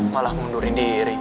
malah ngundurin diri